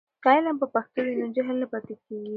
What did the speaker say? که علم په پښتو وي نو جهل نه پاتې کېږي.